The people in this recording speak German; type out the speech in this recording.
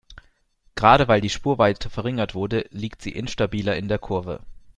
Gerade weil die Spurweite verringert wurde, liegt sie instabiler in der Kurve.